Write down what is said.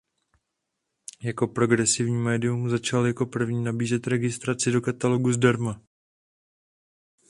Jako progresivní médium začal jako první nabízet registraci do katalogu zdarma.